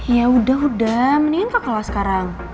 ya udah udah mendingan kak kalah sekarang